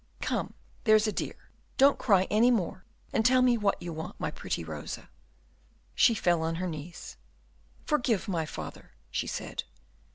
Come, there's a dear, don't cry any more, and tell me what you want, my pretty Rosa." She fell on her knees. "Forgive my father," she said.